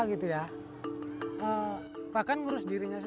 machen dengan tegun dan solution laughter